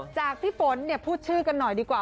จากพี่ฝนพูดชื่อกันหน่อยดีกว่า